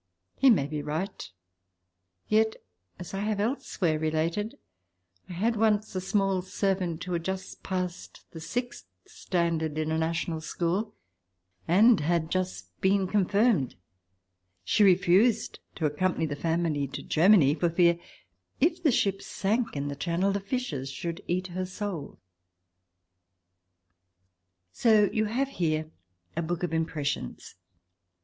He may be right. Yet, as I have elsewhere related, I had once a small servant who had just passed the sixth standard in a national school and had just been confirmed. She refused to accompany the family to Germany for fear, if the ship sank in the Channel, the fishes should eat her soul. ... So you have here a book of impressions.